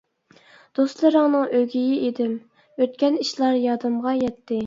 دوستلىرىڭنىڭ ئۆگىيى ئىدىم، ئۆتكەن ئىشلار يادىمغا يەتتى.